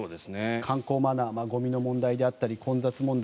観光マナーゴミの問題だったり混雑問題